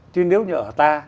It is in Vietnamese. chứ nếu như ở ta